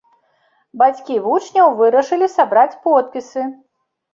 Бацькі вучняў вырашылі сабраць подпісы.